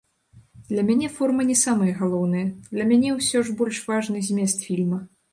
Для мяне форма не самае галоўнае, для мяне ўсё ж больш важны змест фільма.